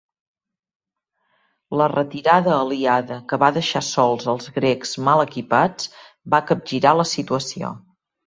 La retirada aliada que va deixar sols als grecs mal equipats, va capgirar la situació.